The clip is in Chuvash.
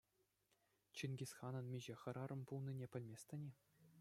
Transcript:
Чингисханӑн миҫе хӗрарӑм пулнине пӗлместӗн-и?